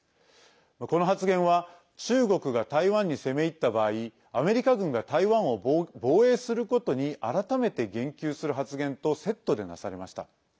この発言は中国が台湾に攻め入った場合アメリカ軍が台湾を防衛することに改めて言及する発言とセットでなされました。